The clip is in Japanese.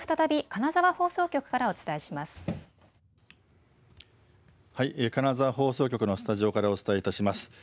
金沢放送局のスタジオからお伝えいたします。